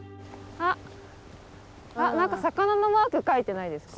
あっ何か魚のマーク描いてないですか？